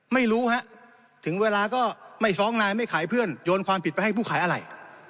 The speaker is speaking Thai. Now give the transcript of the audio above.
ไม่รู้ฮะถึงเวลาก็ไม่ฟ้องนายไม่ขายเพื่อนโยนความผิดไปให้ผู้ขายอะไร